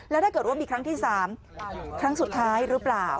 แล้วถ้าเกิดว่ามีครั้งที่๓ครั้งสุดท้ายหรือเปล่า